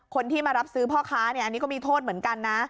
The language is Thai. คนที่มารับซื้อพ่อค้าเนี่ยอันนี้ก็มีโทษเหมือนกันนะ